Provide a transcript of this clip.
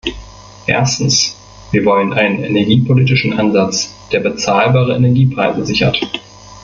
Erstens, wir wollen einen energiepolitischen Ansatz, der bezahlbare Energiepreise sichert.